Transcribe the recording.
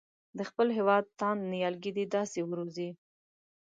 د خپل هېواد تاند نیالګي دې داسې وروزي.